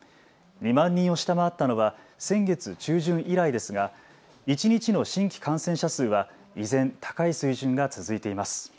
２万人を下回ったのは先月中旬以来ですが一日の新規感染者数は依然高い水準が続いています。